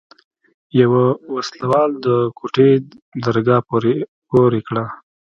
يوه وسله وال د کوټې درګاه پورې کړه.